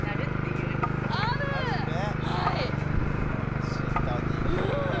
確かにこれは。